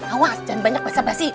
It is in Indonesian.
awas jangan banyak basah basih